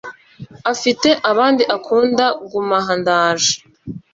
afite abandi akunda gumaha ndaje